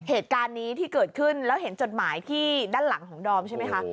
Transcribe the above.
เหตุการณ์นี้ที่เกิดขึ้นแล้วเห็นจดหมายที่ด้านหลังของดอมใช่ไหมคะ